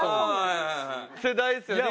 世代ですよね